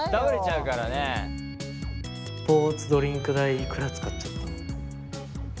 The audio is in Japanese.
スポーツドリンク代いくら使っちゃった？